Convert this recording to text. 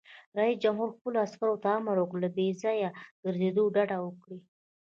رئیس جمهور خپلو عسکرو ته امر وکړ؛ له بې ځایه ګرځېدو ډډه وکړئ!